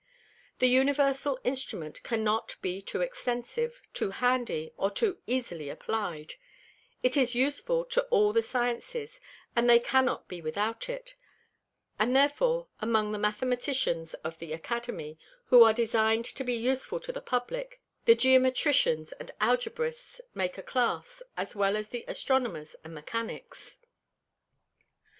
The Universal Instrument cannot be too extensive, too handy, or too easily apply'd: It is useful to all the Sciences, and they cannot be without it: And therefore among the Mathematicians of the Academy, who are design'd to be useful to the Publick, the Geometricians and Algebrists make a Class, as well as the Astronomers and Mechanicks.